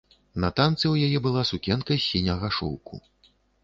На танцы ў яе была сукенка з сіняга шоўку.